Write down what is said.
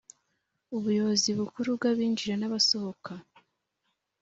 ubuyobozi bukuru bw abinjira n abasohoka